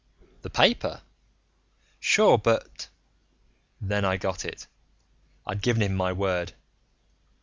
"The paper? Sure, but " Then I got it. I'd given him my word.